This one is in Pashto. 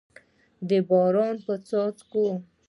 د باران په څاڅکو